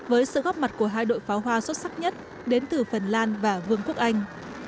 với sự góp mặt của hai đội pháo hoa xuất sắc nhất đến từ phần lan và vương quốc anh